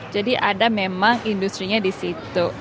jadi ada memang industri nya di situ